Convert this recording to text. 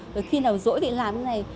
rồi khi nào rỗi thì làm như này